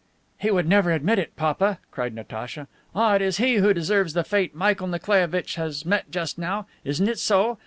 "He would never admit it, papa," cried Natacha. "Ah, it is he who deserves the fate Michael Nikolaievitch has met just now. Isn't it so?